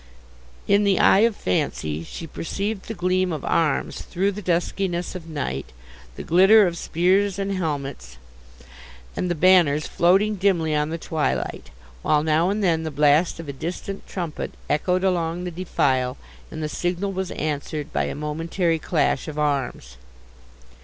In the eye of fancy, she perceived the gleam of arms through the duskiness of night, the glitter of spears and helmets, and the banners floating dimly on the twilight; while now and then the blast of a distant trumpet echoed along the defile, and the signal was answered by a momentary clash of arms.